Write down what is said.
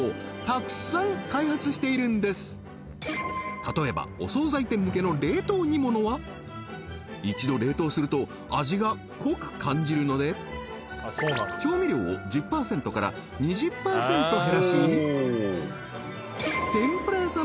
例えばお総菜店向けの冷凍煮物は一度冷凍すると味が濃く感じるので調味料を１０％から２０％減らし天ぷら屋さん